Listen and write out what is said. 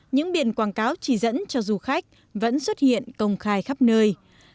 những biển quảng cáo chỉ dẫn cho du khách vẫn xuất hiện công khai khắp nơi